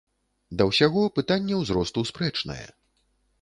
Да ўсяго, пытанне ўзросту спрэчнае.